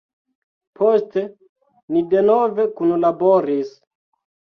Poste ni denove kunlaboris.